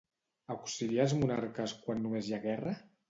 Auxilia els monarques quan només hi ha guerra?